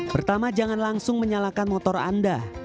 pertama jangan langsung menyalakan motor anda